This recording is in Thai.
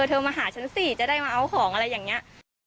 เธอมาหาฉันสิจะได้มาเอาของอะไรอย่างนี้